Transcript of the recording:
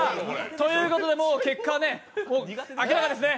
ということで、もう結果は明らかですね。